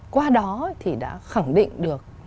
qua đó thì đã khẳng định được